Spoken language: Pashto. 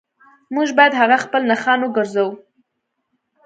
موږ باید هغه خپل نښان وګرځوو